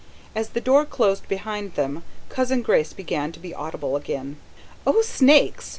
As the door closed behind them Cousin Grace began to be audible again. "Oh, snakes!"